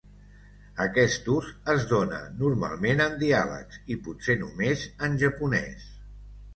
Aquest ús es dóna normalment en diàlegs i potser només en japonès.